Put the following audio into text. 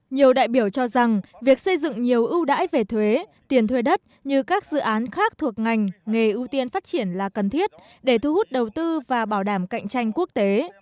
nhiều đại biểu cho rằng việc xây dựng nhiều ưu đãi về thuế tiền thuê đất như các dự án khác thuộc ngành nghề ưu tiên phát triển là cần thiết để thu hút đầu tư và bảo đảm cạnh tranh quốc tế